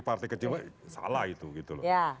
partai kecil itu salah gitu loh ya